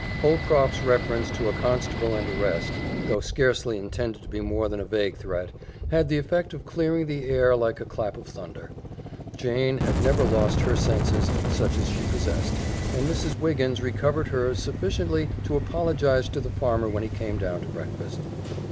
Holcroft's reference to a constable and arrest, though scarcely intended to be more than a vague threat, had the effect of clearing the air like a clap of thunder. Jane had never lost her senses, such as she possessed, and Mrs. Wiggins recovered hers sufficiently to apologize to the farmer when he came down to breakfast.